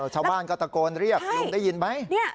ชาวบ้านก็ตะโกนเรียกลุงได้ยินไหม